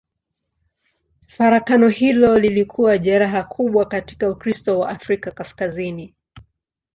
Farakano hilo lilikuwa jeraha kubwa katika Ukristo wa Afrika Kaskazini.